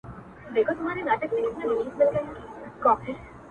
د ښكلا ميري د ښكلا پر كلي شــپه تېروم!!